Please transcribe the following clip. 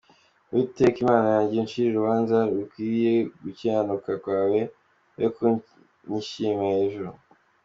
Uwiteka Mana yanjye, Uncire urubanza rukwiriye gukiranuka kwawe, Be kunyishima hejuru.